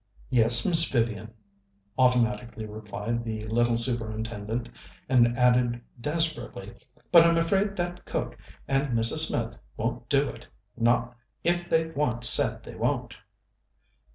"Yes, Miss Vivian," automatically replied the little Superintendent, and added desperately: "But I'm afraid that cook and Mrs. Smith won't do it not if they've once said they won't."